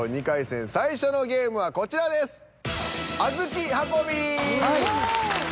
２回戦最初のゲームはこちらです。